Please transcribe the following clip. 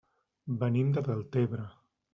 Venim de Deltebre.